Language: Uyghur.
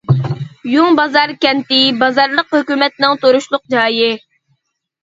يۇڭ بازار كەنتى بازارلىق ھۆكۈمەتنىڭ تۇرۇشلۇق جايى.